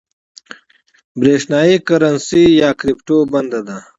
برېښنايي کرنسۍ یا کريپټو بنده ده